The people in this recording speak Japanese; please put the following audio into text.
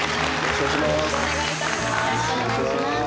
よろしくお願いします。